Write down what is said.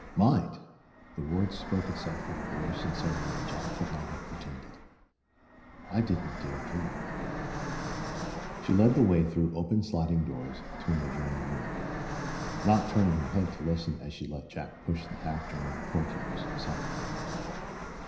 "Mind!" The word spoke itself with a boyish sincerity that Jack could not have pretended. "I didn't dare dream " She led the way through open sliding doors to an adjoining room, not turning her head to listen as she let Jack push the half drawn portières aside.